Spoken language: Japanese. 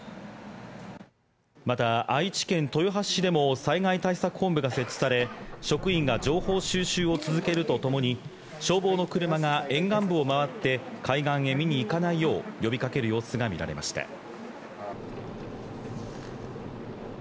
また愛知県豊橋市でも災害対策本部が設置され、職員が情報収集を続けるとともに、消防の車が沿岸部を回って海岸へ見に行かないよう呼びかける様子が見られました。